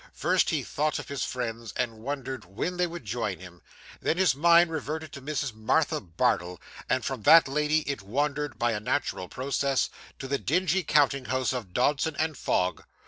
First he thought of his friends, and wondered when they would join him; then his mind reverted to Mrs. Martha Bardell; and from that lady it wandered, by a natural process, to the dingy counting house of Dodson & Fogg.